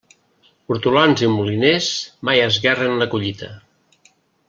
Hortolans i moliners, mai esguerren la collita.